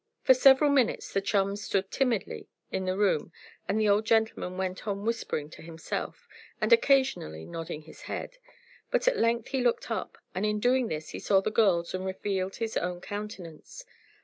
For several minutes the chums stood timidly in the room and the old gentleman went on whispering to himself, and occasionally nodding his head. But at length he looked up, and in doing this he saw the girls and revealed his own countenance.